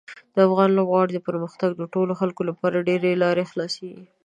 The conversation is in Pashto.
د افغان لوبغاړو د پرمختګ د ټولو خلکو لپاره ډېرې لارې خلاصیږي.